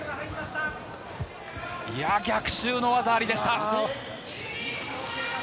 逆襲の技ありでした。